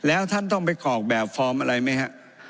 แล้วท่านต้องไปกรอกแบบฟอร์มอะไรไหมฮะ